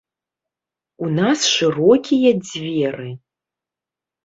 У нас шырокія дзверы!